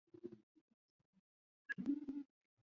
有人称此种用法引喻失义。